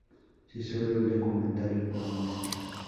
Si sólo el documental lo muestra".